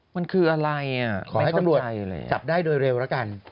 มันคืออะไรอ่ะไม่เข้าใจเลยขอให้ต้องรวจจับได้โดยเร็วละกัน